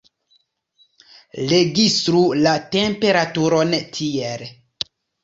Registru la temperaturon tiel.